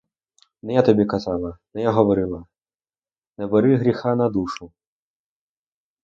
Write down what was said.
Не я тобі казала, не я говорила: не бери гріха на душу!